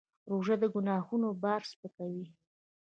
روژه د ګناهونو بار سپکوي.